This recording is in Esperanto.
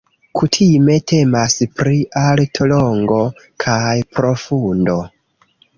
Kutime temas pri alto, longo kaj profundo.